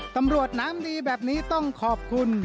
ตำรวจน้ำดีแบบนี้ต้องขอบคุณ